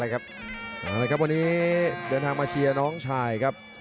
วันนี้เดินทางมาเชียร์น้องชายครับ